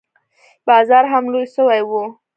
بازار هم لوى سوى و.